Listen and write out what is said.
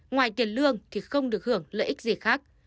ngoài tiền lương thì không được hưởng lợi ích gì khác